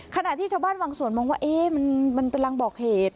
ขณะที่ชาวบ้านบางส่วนมองว่ามันเป็นรางบอกเหตุ